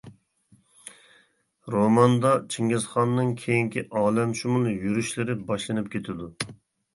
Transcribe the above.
روماندا چىڭگىزخاننىڭ كېيىنكى ئالەمشۇمۇل يۈرۈشلىرى باشلىنىپ كېتىدۇ.